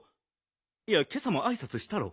いやけさもあいさつしたろ。